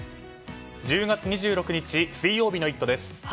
１０月２６日、水曜日の「イット！」です。